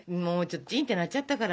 チンって鳴っちゃったから。